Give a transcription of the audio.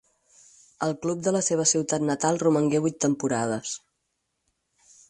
Al club de la seva ciutat natal romangué vuit temporades.